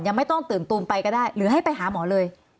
ไม่ต้องตื่นตูมไปก็ได้หรือให้ไปหาหมอเลย